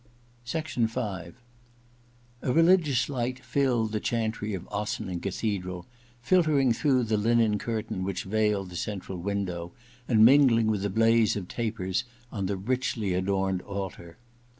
A RELIGIOUS light filled the chantry of Ossining Cathedral, filtering through the linen curtain which veiled the central window and mingling with the blaze of tapers on the richly adorned altar.